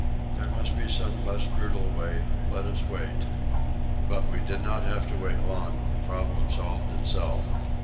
There must be some less brutal way. Let us wait." But we did not have to wait long, and the problem solved itself.